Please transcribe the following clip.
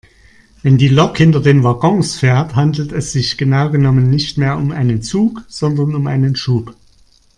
Wenn die Lok hinter den Waggons fährt, handelt es sich genau genommen nicht mehr um einen Zug sondern um einen Schub.